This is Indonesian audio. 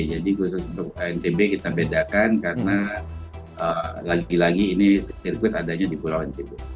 jadi untuk ntb kita bedakan karena lagi lagi ini sirkuit adanya di pulau anci